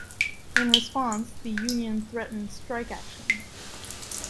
In response, the Union threatened strike action.